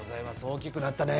大きくなったね。